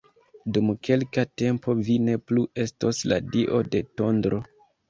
Dum kelka tempo vi ne plu estos la Dio de Tondro!